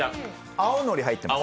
青のり入ってます。